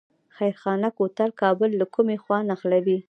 خیرخانه کوتل کابل له کومې خوا نښلوي؟